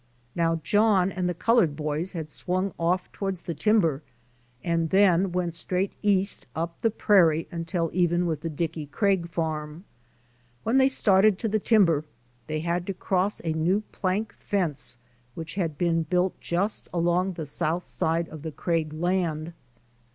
Now John and the colored boys had swung off towards the timber and then went straight east up the prairie until even with the Dickie Craig farm. When they started to the timber they had to cross a new plank fence which had been built just along the south side of the Craig land.